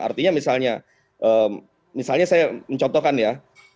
artinya misalnya saya mencontohkan ya